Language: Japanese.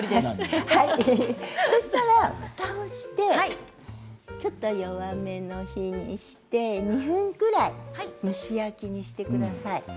そうしたら、ふたをしてちょっと弱めの火にして２分ぐらい蒸し焼きにしてください。